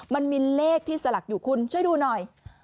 มันมีเลขที่สลักอยู่คุณช่วยดูหน่อย